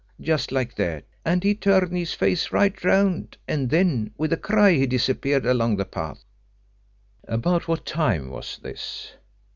just like that, and he turned his face right round, and then with a cry he disappeared along the path." "About what time was this?"